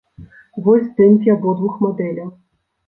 Вось здымкі абодвух мадэляў.